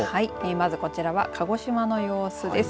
まずこちらは鹿児島の様子です。